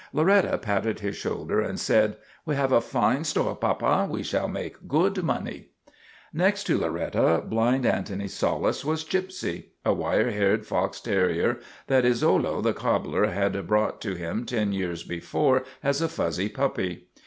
Loretta patted his shoulder and said, " We have a fine store, papa. We shall make good money." Next to Loretta, blind Antony's solace was Gypsy, a wire haired fox terrier that Izzolo the cobbler had brought to him ten years before as a fuzzy puppy.